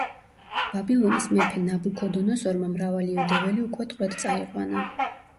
ბაბილონის მეფე ნაბუქოდონოსორმა მრავალი იუდეველი უკვე ტყვედ წაიყვანა.